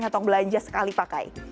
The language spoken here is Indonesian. ngotong belanja sekali pakai